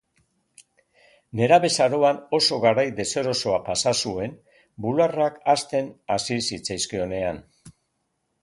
Nerabezaroan, oso garai deserosoa pasa zuen bularrak hazten hasi zitzizkionean.